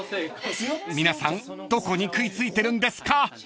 ［皆さんどこに食い付いてるんですか！］